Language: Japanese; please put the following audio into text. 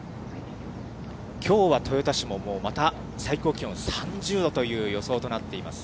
きょうは豊田市もまた最高気温３０度という予想となっています。